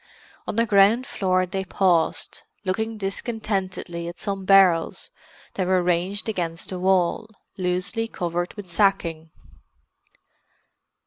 On the ground floor they paused, looking discontentedly at some barrels that were ranged against the wall, loosely covered with sacking.